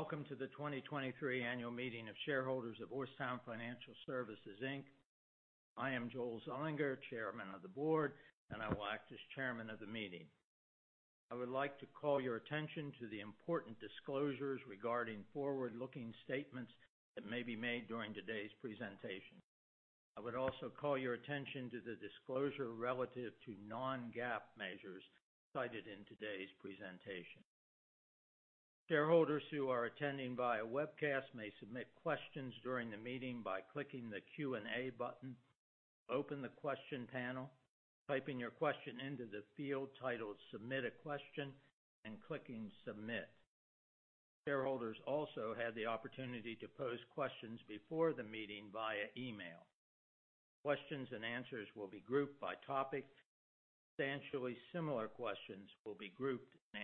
Welcome to the 2023 annual meeting of shareholders of Orrstown Financial Services, Inc. I am Joel Zullinger, chairman of the board, and I will act as chairman of the meeting. I would like to call your attention to the important disclosures regarding forward-looking statements that may be made during today's presentation. I would also call your attention to the disclosure relative to non-GAAP measures cited in today's presentation. Shareholders who are attending via webcast may submit questions during the meeting by clicking the Q&A button, open the question panel, typing your question into the field titled Submit a Question, and clicking Submit. Shareholders also had the opportunity to pose questions before the meeting via email. Questions and answers will be grouped by topic. Substantially similar questions will be grouped and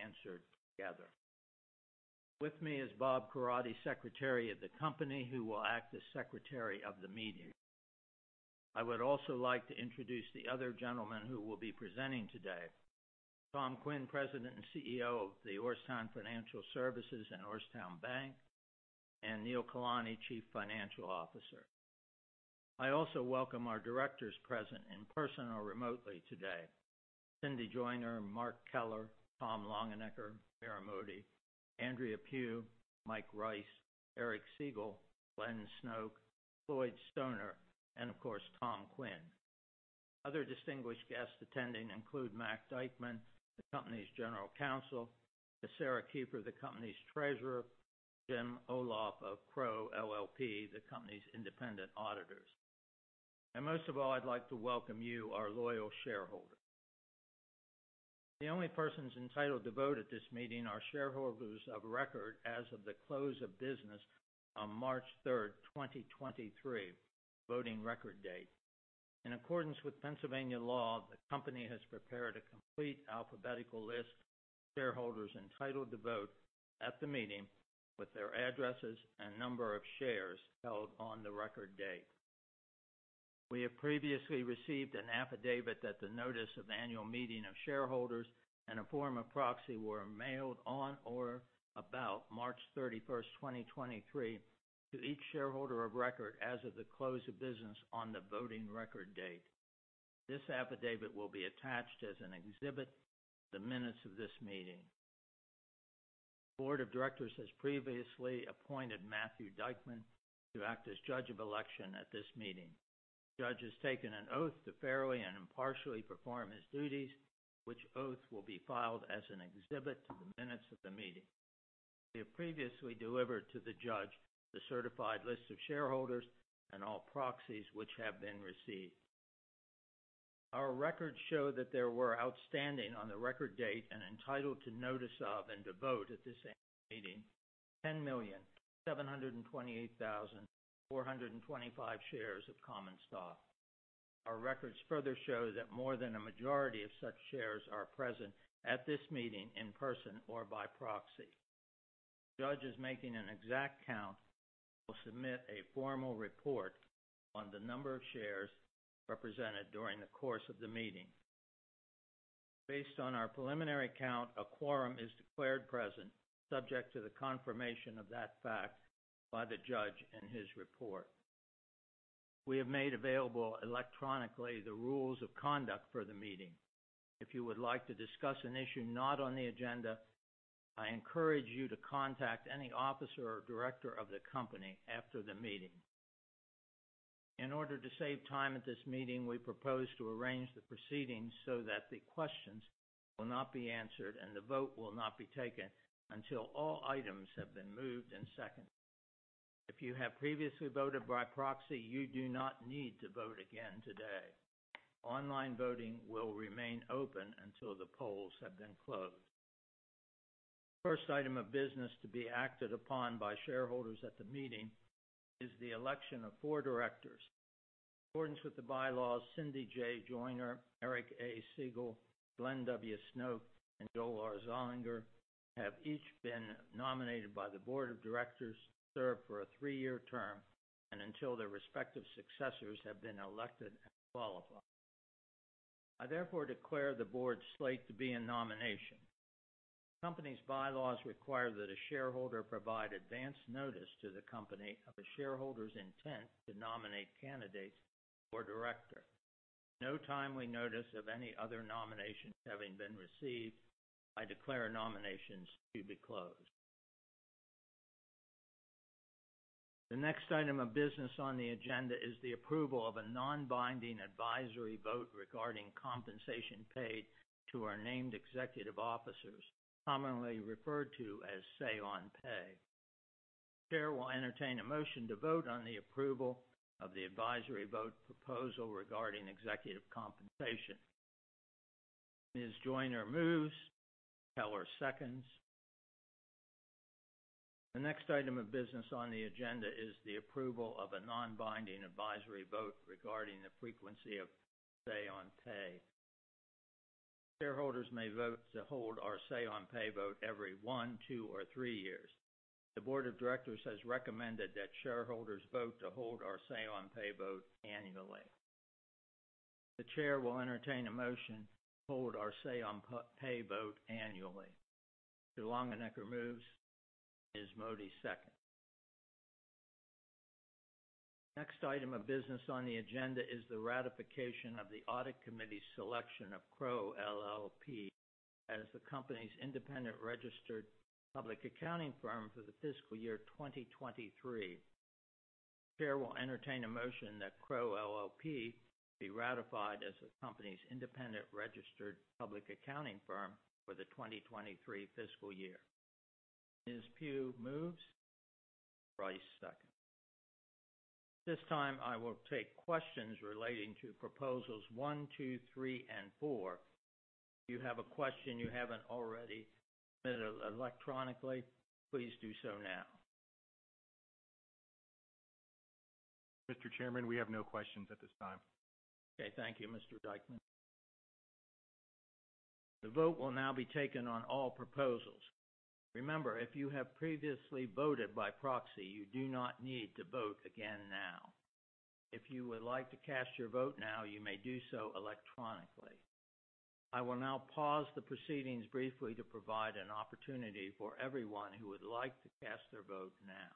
answered together. With me is Bob Coradi, Secretary of the company, who will act as Secretary of the meeting. I would also like to introduce the other gentleman who will be presenting today, Tom Quinn, President and CEO of Orrstown Financial Services and Orrstown Bank, and Neelesh Kalani, Chief Financial Officer. I also welcome our directors present in person or remotely today, Cindy Joiner, Mark Keller, Tom Longenecker, Meera R. Modi, Andrea Pugh, Mike Rice, Eric Segal, Glenn Snoke, Floyd Stoner, and of course, Tom Quinn. Other distinguished guests attending include Matthew Dyckman, the company's General Counsel, Sarah Kuepper, the company's Treasurer, Jim Oliphant of Crowe LLP, the company's independent auditors. Most of all, I'd like to welcome you, our loyal shareholder. The only persons entitled to vote at this meeting are shareholders of record as of the close of business on March third, 2023, voting record date. In accordance with Pennsylvania law, the company has prepared a complete alphabetical list of shareholders entitled to vote at the meeting with their addresses and number of shares held on the record date. We have previously received an affidavit that the notice of annual meeting of shareholders and a form of proxy were mailed on or about March 31, 2023 to each shareholder of record as of the close of business on the voting record date. This affidavit will be attached as an exhibit to the minutes of this meeting. The board of directors has previously appointed Matthew Dyckman to act as judge of election at this meeting. The judge has taken an oath to fairly and impartially perform his duties, which oath will be filed as an exhibit to the minutes of the meeting. We have previously delivered to the judge the certified list of shareholders and all proxies which have been received. Our records show that there were outstanding on the record date and entitled to notice of and to vote at this annual meeting, 10,728,425 shares of common stock. Our records further show that more than a majority of such shares are present at this meeting in person or by proxy. The judge is making an exact count, will submit a formal report on the number of shares represented during the course of the meeting. Based on our preliminary count, a quorum is declared present, subject to the confirmation of that fact by the judge in his report. We have made available electronically the rules of conduct for the meeting. If you would like to discuss an issue not on the agenda, I encourage you to contact any officer or director of the company after the meeting. In order to save time at this meeting, we propose to arrange the proceedings so that the questions will not be answered and the vote will not be taken until all items have been moved and seconded. If you have previously voted by proxy, you do not need to vote again today. Online voting will remain open until the polls have been closed. First item of business to be acted upon by shareholders at the meeting is the election of four directors. In accordance with the bylaws, Cindy J. Joiner, Eric A. Segal, Glenn W. Snoke, and Joel R. Zullinger have each been nominated by the board of directors to serve for a three-year term and until their respective successors have been elected and qualified. I therefore declare the board slate to be in nomination. Company's bylaws require that a shareholder provide advance notice to the company of a shareholder's intent to nominate candidates for director. No timely notice of any other nomination having been received, I declare nominations to be closed. The next item of business on the agenda is the approval of a non-binding advisory vote regarding compensation paid to our named executive officers, commonly referred to as say on pay. Chair will entertain a motion to vote on the approval of the advisory vote proposal regarding executive compensation. Ms. Joiner moves. Keller seconds. The next item of business on the agenda is the approval of a non-binding advisory vote regarding the frequency of say on pay. Shareholders may vote to hold our say on pay vote every one, two, or three years. The board of directors has recommended that shareholders vote to hold our say on pay vote annually. The chair will entertain a motion to hold our say on pay vote annually. Longenecker moves. Ms. Modi second. Next item of business on the agenda is the ratification of the audit committee selection of Crowe LLP as the company's independent registered public accounting firm for the fiscal year 2023. Chair will entertain a motion that Crowe LLP be ratified as the company's independent registered public accounting firm for the 2023 fiscal year. Ms. Pugh moves. Rice second. At this time, I will take questions relating to proposals one, two, three, and four. If you have a question you haven't already submitted electronically, please do so now. Mr. Chairman, we have no questions at this time. Okay. Thank you, Mr. Dyckman. The vote will now be taken on all proposals. Remember, if you have previously voted by proxy, you do not need to vote again now. If you would like to cast your vote now, you may do so electronically. I will now pause the proceedings briefly to provide an opportunity for everyone who would like to cast their vote now.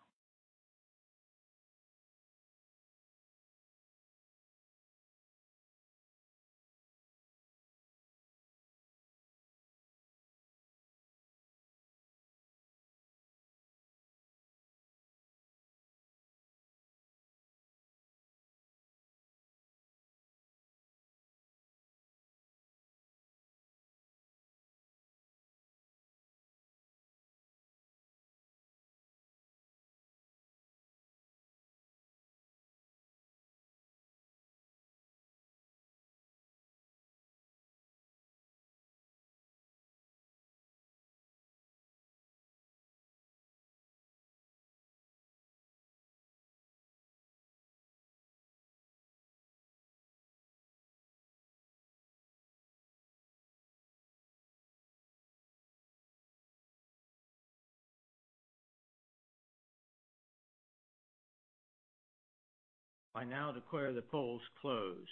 I now declare the polls closed.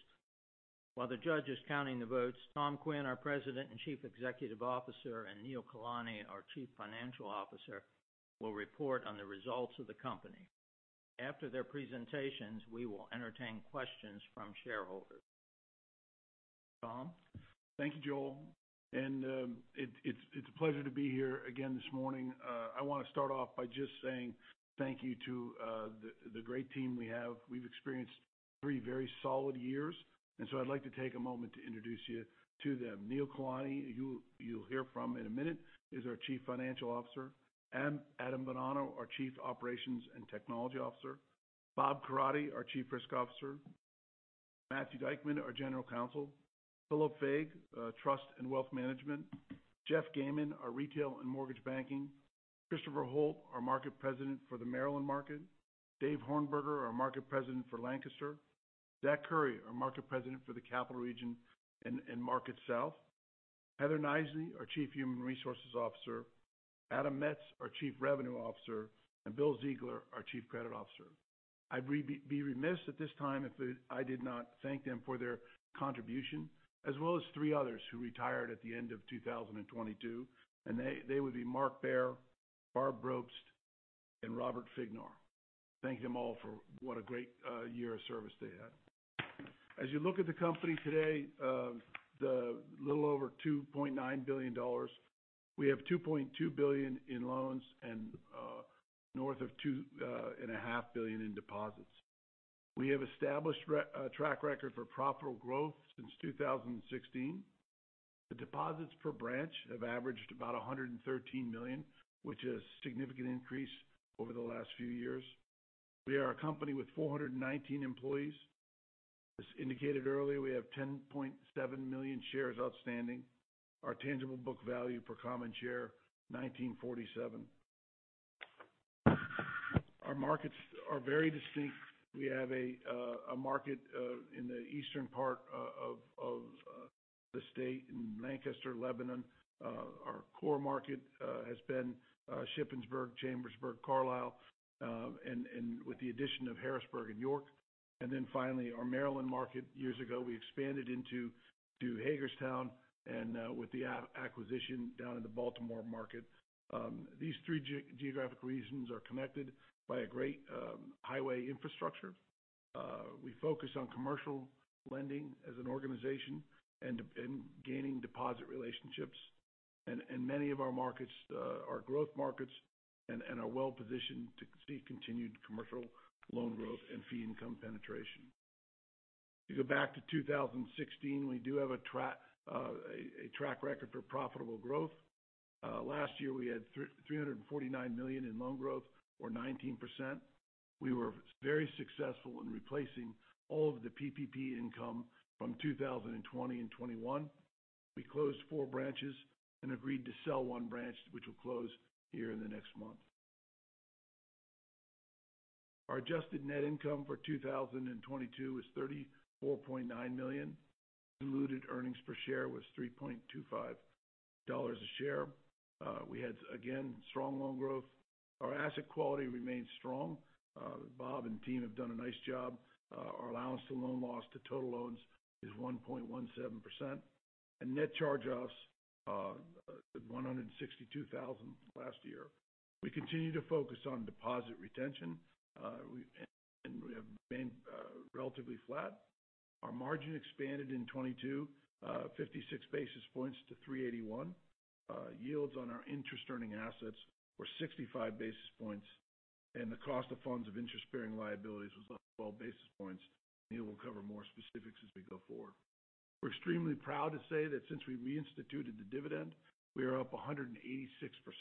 While the judge is counting the votes, Tom Quinn, our President and Chief Executive Officer, and Neelesh Kalani, our Chief Financial Officer, will report on the results of the company. After their presentations, we will entertain questions from shareholders. Tom? Thank you, Joel. It's a pleasure to be here again this morning. I wanna start off by just saying thank you to the great team we have. We've experienced three very solid years. I'd like to take a moment to introduce you to them. Neelesh Kalani, who you'll hear from in a minute, is our Chief Financial Officer. Adam Bonanno, our Chief Operations and Technology Officer. Bob Corradi, our Chief Risk Officer. Matthew Dyckman, our General Counsel. Philip Fague, Trust and Wealth Management. Jeff Gamen, our Retail and Mortgage Banking. Christopher Holt, our Market President for the Maryland market. David Hornberger, our Market President for Lancaster. Zachary Khuri, our Market President for the Capital Region and Market South. Heather Knisely, our Chief Human Resources Officer. Adam Metz, our Chief Revenue Officer, and William Ziegler, our Chief Credit Officer. I'd be remiss at this time if I did not thank them for their contribution, as well as three others who retired at the end of 2022. They would be Mark Bayer, Barb Roberts, and Robert Fignar. Thank them all for what a great year of service they had. As you look at the company today, the little over $2.9 billion. We have $2.2 billion in loans and north of $2.5 billion in deposits. We have established a track record for profitable growth since 2016. The deposits per branch have averaged about $113 million, which is a significant increase over the last few years. We are a company with 419 employees. As indicated earlier, we have 10.7 million shares outstanding. Our tangible book value per common share, $19.47. Our markets are very distinct. We have a market in the eastern part of the state in Lancaster, Lebanon. Our core market has been Shippensburg, Chambersburg, Carlisle, and with the addition of Harrisburg and York. Finally, our Maryland market years ago, we expanded into Hagerstown with the acquisition down in the Baltimore market. These three geographic regions are connected by a great highway infrastructure. We focus on commercial lending as an organization and gaining deposit relationships. Many of our markets are growth markets and are well-positioned to see continued commercial loan growth and fee income penetration. To go back to 2016, we do have a track record for profitable growth. Last year, we had $349 million in loan growth or 19%. We were very successful in replacing all of the PPP income from 2020 and 2021. We closed four branches and agreed to sell 1 branch, which will close here in the next month. Our adjusted net income for 2022 was $34.9 million. Diluted earnings per share was $3.25, Dollars a share. We had again, strong loan growth. Our asset quality remains strong. Bob and team have done a nice job. Our allowance to loan loss to total loans is 1.17%. Net charge-offs, $162,000 last year. We continue to focus on deposit retention, and we have been relatively flat. Our margin expanded in 2022, 56 basis points to 381%. Yields on our interest-earning assets were 65 basis points, and the cost of funds of interest-bearing liabilities was 12 basis points. Neel will cover more specifics as we go forward. We're extremely proud to say that since we reinstituted the dividend, we are up 186%.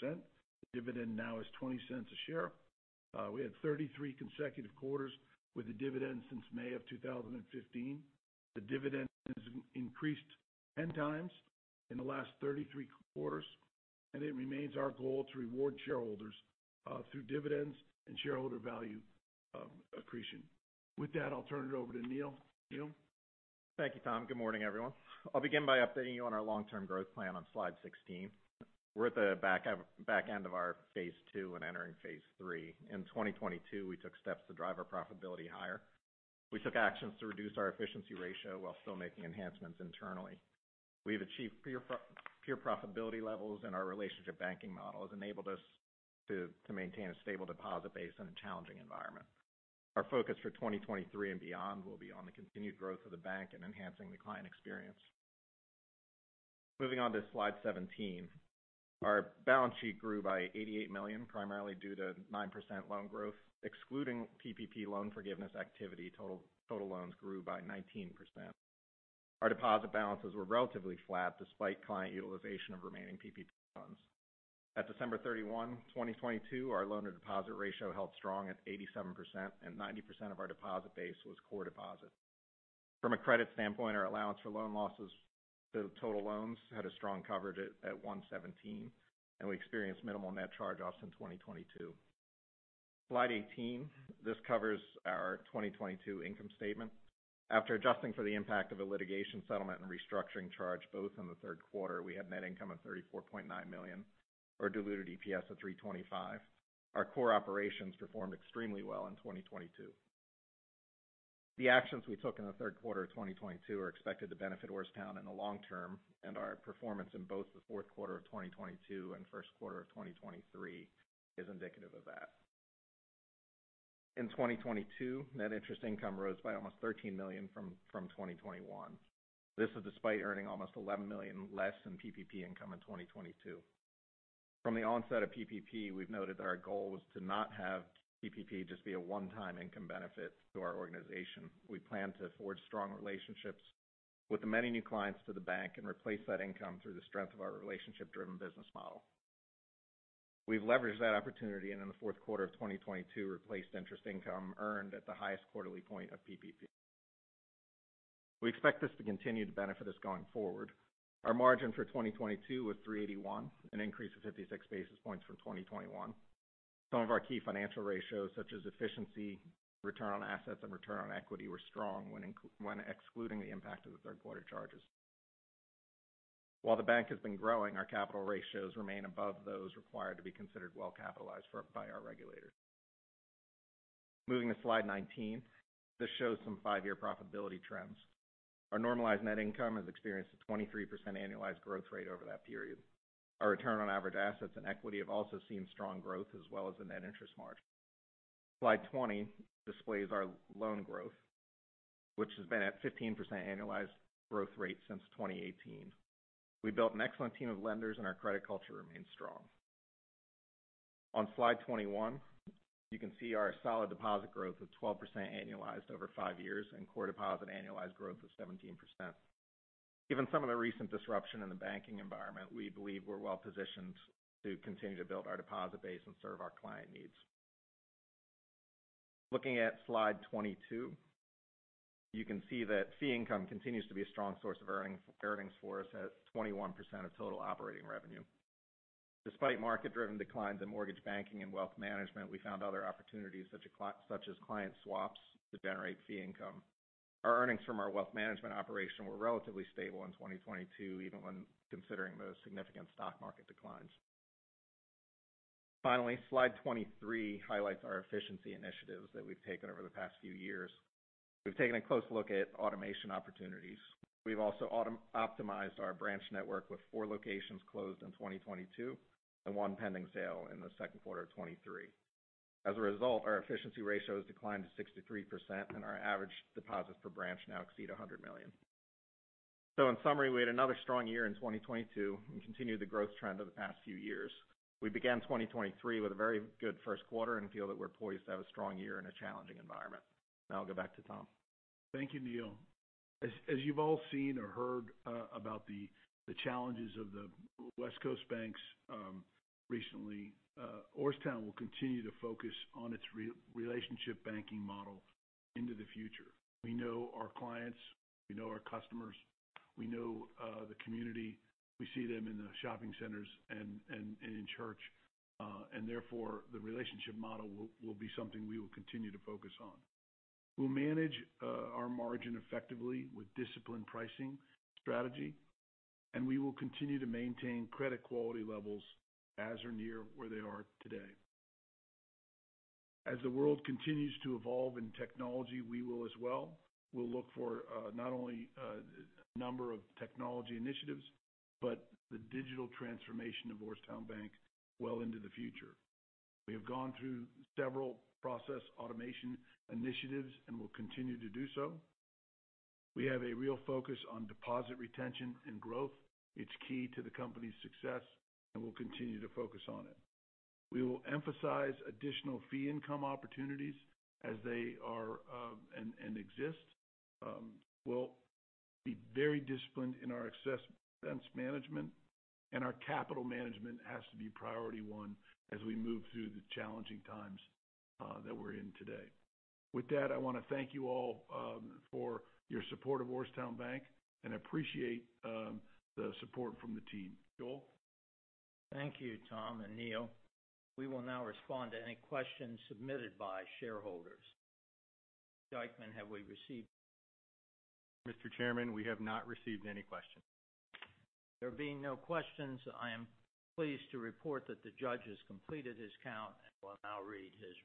The dividend now is $0.20 a share. We had 33 consecutive quarters with the dividend since May 2015. The dividend has increased 10 times in the last 33 quarters, and it remains our goal to reward shareholders through dividends and shareholder value accretion. With that, I'll turn it over to Neel. Neel. Thank you, Tom. Good morning, everyone. I'll begin by updating you on our long-term growth plan on slide 16. We're at the back end of our phase 2 and entering phase 3. In 2022, we took steps to drive our profitability higher. We took actions to reduce our efficiency ratio while still making enhancements internally. We have achieved peer profitability levels, and our relationship banking model has enabled us to maintain a stable deposit base in a challenging environment. Our focus for 2023 and beyond will be on the continued growth of the bank and enhancing the client experience. Moving on to slide 17. Our balance sheet grew by $88 million, primarily due to 9% loan growth. Excluding PPP loan forgiveness activity, total loans grew by 19%. Our deposit balances were relatively flat despite client utilization of remaining PPP funds. At December 31, 2022, our loan-to-deposit ratio held strong at 87% and 90% of our deposit base was core deposits. From a credit standpoint, our allowance for loan losses to total loans had a strong coverage at 1.17, and we experienced minimal net charge-offs in 2022. Slide 18. This covers our 2022 income statement. After adjusting for the impact of a litigation settlement and restructuring charge both in the third quarter, we had net income of $34.9 million or diluted EPS of $3.25. Our core operations performed extremely well in 2022. The actions we took in the third quarter of 2022 are expected to benefit Orrstown in the long term, and our performance in both the fourth quarter of 2022 and first quarter of 2023 is indicative of that. In 2022, net interest income rose by almost $13 million from 2021. This is despite earning almost $11 million less in PPP income in 2022. From the onset of PPP, we've noted that our goal was to not have PPP just be a one-time income benefit to our organization. We plan to forge strong relationships with the many new clients to the bank and replace that income through the strength of our relationship-driven business model. We've leveraged that opportunity and in the fourth quarter of 2022 replaced interest income earned at the highest quarterly point of PPP. We expect this to continue to benefit us going forward. Our margin for 2022 was 3.81, an increase of 56 basis points from 2021. Some of our key financial ratios, such as efficiency, return on assets, and return on equity, were strong when excluding the impact of the third quarter charges. While the bank has been growing, our capital ratios remain above those required to be considered well capitalized by our regulators. Moving to slide 19. This shows some five-year profitability trends. Our normalized net income has experienced a 23% annualized growth rate over that period. Our return on average assets and equity have also seen strong growth as well as a net interest margin. Slide 20 displays our loan growth, which has been at 15% annualized growth rate since 2018. We built an excellent team of lenders, our credit culture remains strong. On slide 21, you can see our solid deposit growth of 12% annualized over five years and core deposits annualized growth of 17%. Given some of the recent disruption in the banking environment, we believe we're well positioned to continue to build our deposit base and serve our client needs. Looking at slide 22, you can see that fee income continues to be a strong source of earnings for us at 21% of total operating revenue. Despite market-driven declines in mortgage banking and wealth management, we found other opportunities such as client swaps to generate fee income. Our earnings from our wealth management operation were relatively stable in 2022, even when considering the significant stock market declines. Slide 23 highlights our efficiency initiatives that we've taken over the past few years. We've taken a close look at automation opportunities. We've also optimized our branch network with four locations closed in 2022 and one pending sale in the second quarter of 2023. As a result, our efficiency ratio has declined to 63% and our average deposits per branch now exceed $100 million. In summary, we had another strong year in 2022 and continued the growth trend of the past few years. We began 2023 with a very good first quarter and feel that we're poised to have a strong year in a challenging environment. Now I'll go back to Tom. Thank you, Neel. As you've all seen or heard about the challenges of the west coast banks recently, Orrstown will continue to focus on its relationship banking model into the future. We know our clients, we know our customers, we know the community. We see them in the shopping centers and in church, therefore, the relationship model will be something we will continue to focus on. We'll manage our margin effectively with disciplined pricing strategy, and we will continue to maintain credit quality levels as or near where they are today. As the world continues to evolve in technology, we will as well. We'll look for not only a number of technology initiatives, but the digital transformation of Orrstown Bank well into the future. We have gone through several process automation initiatives and will continue to do so. We have a real focus on deposit retention and growth. It's key to the company's success, and we'll continue to focus on it. We will emphasize additional fee income opportunities as they are and exist. We'll be very disciplined in our expense management, and our capital management has to be priority one as we move through the challenging times that we're in today. With that, I wanna thank you all for your support of Orrstown Bank and appreciate the support from the team. Joel? Thank you, Tom and Neel. We will now respond to any questions submitted by shareholders. Dykeman, have we? Mr. Chairman, we have not received any questions. There being no questions, I am pleased to report that the judge has completed his count and will now read his...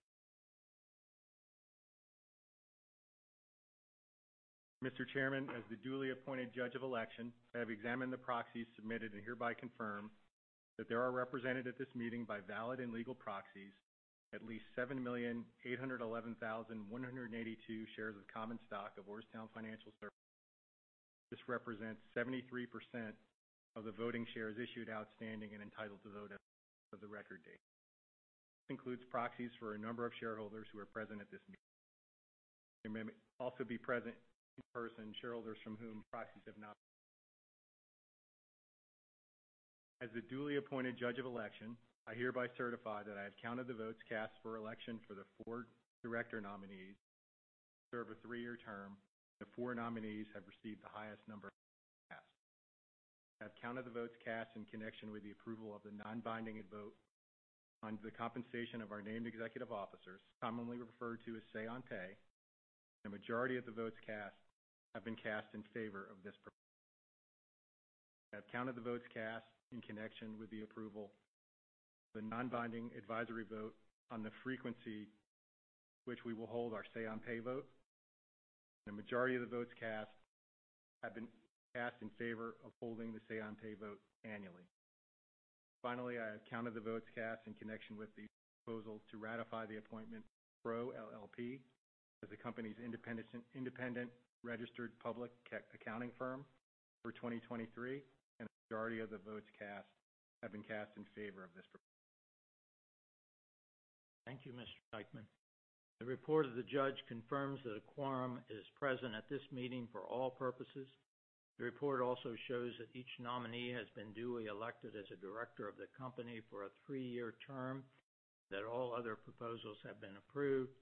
Mr. Chairman, as the duly appointed judge of election, I have examined the proxies submitted and hereby confirm that there are represented at this meeting by valid and legal proxies at least 7,811,182 shares of common stock of Orrstown Financial Services. This represents 73% of the voting shares issued, outstanding, and entitled to vote at for the record date. This includes proxies for a number of shareholders who are present at this meeting. There may also be present in person shareholders from whom proxies have not. As the duly appointed judge of election, I hereby certify that I have counted the votes cast for election for the four director nominees to serve a three-year term. The four nominees have received the highest number of votes cast. I have counted the votes cast in connection with the approval of the non-binding vote on the compensation of our named executive officers, commonly referred to as say on pay. The majority of the votes cast have been cast in favor of this proposal. I have counted the votes cast in connection with the approval of the non-binding advisory vote on the frequency which we will hold our say on pay vote. The majority of the votes cast have been cast in favor of holding the say on pay vote annually. Finally, I have counted the votes cast in connection with the proposal to ratify the appointment of Crowe LLP as the company's independent registered public accounting firm for 2023. The majority of the votes cast have been cast in favor of this proposal. Thank you, Mr. Dyckman. The report of the judge confirms that a quorum is present at this meeting for all purposes. The report also shows that each nominee has been duly elected as a director of the company for a three-year term, that all other proposals have been approved.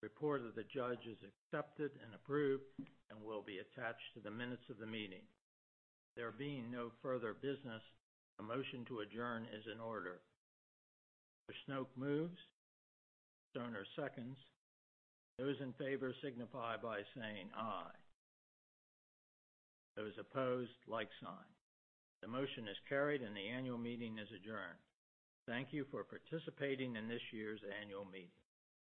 The report of the judge is accepted and approved and will be attached to the minutes of the meeting. There being no further business, a motion to adjourn is in order. Mr. Snoke moves. Stoner seconds. Those in favor signify by saying aye. Those opposed, like sign. The motion is carried and the annual meeting is adjourned. Thank you for participating in this year's annual meeting.